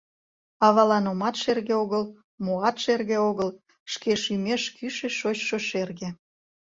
Авалан омат шерге огыл, моат шерге огыл, шке шӱмеш кӱшӧ шочшо шерге...